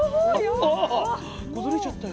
あ崩れちゃったよ。